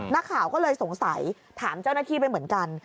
นักข่าวก็เลยสงสัยถามเจ้าหน้าที่ไปเหมือนกัน